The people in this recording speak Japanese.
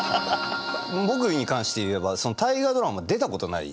僕に関して言えば「大河ドラマ」出たことない。